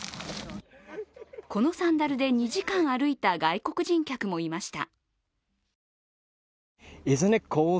このサンダルで２時間歩いた外国人客もいました。